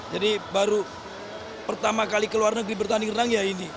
jadi baru pertama kali keluar negeri bertanding renang ya ini